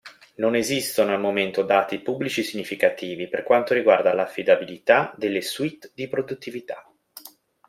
Non esistono al momento dati pubblici significativi per quanto riguarda l'affidabilità delle suite di produttività.